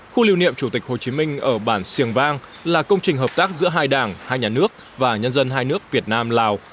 khu lưu niệm chủ tịch hồ chí minh ở bản siềng vang là công trình hợp tác giữa hai đảng hai nhà nước và nhân dân hai nước việt nam lào